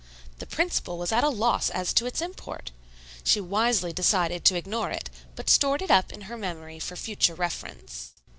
The principal was at a loss as to its import. She wisely decided to ignore it, but stored it up in her memory for future reference.